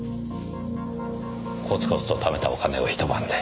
コツコツとためたお金を一晩で５００万。